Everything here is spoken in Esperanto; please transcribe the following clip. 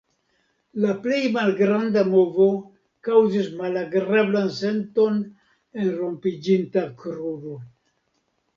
La plej malgranda movo kaŭzis malagrablan senton en la rompiĝinta kruro.